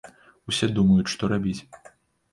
Усе думаюць, што рабіць.